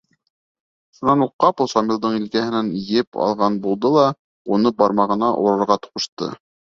Шунан ул ҡапыл Шамилдың елкәһенән «еп» алған булды ла уны бармағына урарға ҡушты.